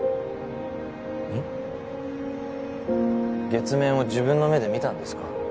月面を自分の目で見たんですか？